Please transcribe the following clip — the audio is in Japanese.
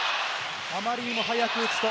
あまりにも早く打つと。